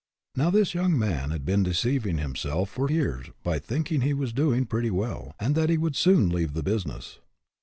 Now, this young man had been deceiving himself for years by thinking that he was doing pretty well, and that he would soon leave the business.